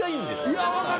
いや分かる。